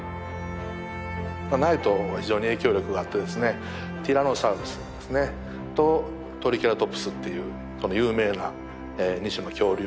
ナイト非常に影響力があってですねティラノサウルスですねとトリケラトプスっていうこの有名な２種の恐竜がですね